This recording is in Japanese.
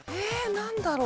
◆何だろう。